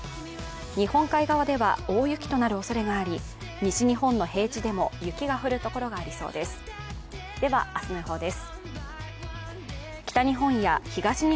日本海側では大雪となるおそれがあり、西日本の平地でも雪が降る所がありそうです。